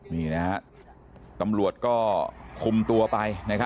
นี่นะครับตำรวจก็คุมตัวไปนะครับ